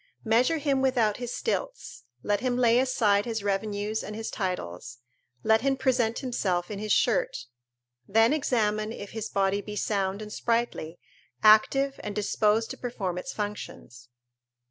Measure him without his stilts; let him lay aside his revenues and his titles; let him present himself in his shirt. Then examine if his body be sound and sprightly, active and disposed to perform its functions.